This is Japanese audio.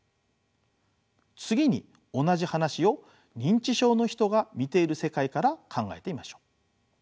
次に同じ話を認知症の人が見ている世界から考えてみましょう。